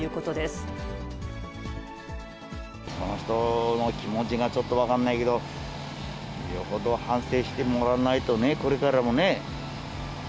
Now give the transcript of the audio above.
その人の気持ちがちょっと分かんないけど、よほど反省してもらわないとね、これからもね。